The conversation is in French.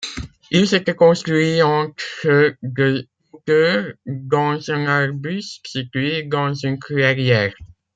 Ils étaient construits entre de hauteur dans un arbuste situé dans une clairière.